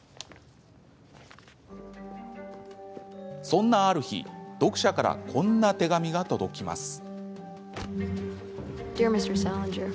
そんなある日読者からこんな手紙が届きます。